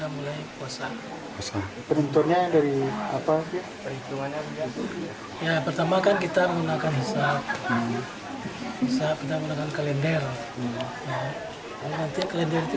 mulai puasa penentunya dari apa ya perhitungannya ya pertama kan kita menggunakan saat saat